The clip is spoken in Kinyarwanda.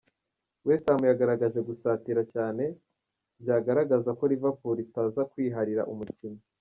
West Ham yagaragaje gusatira cyane, byagaragazaga ko Liverpool itaza kwiharira umukino.